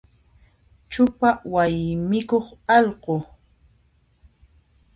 Chupa waymikuq allqu.